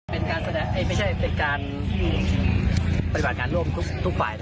เป็นการแสดงไม่ใช่เป็นการปฏิบัติการร่วมทุกฝ่าย